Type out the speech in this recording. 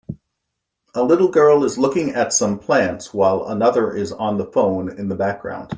A little girl is looking at some plants while another is on the phone in the background.